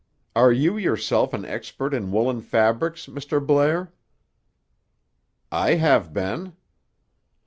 Are you yourself an expert in woolen fabrics, Mr. Blair?" "I have been."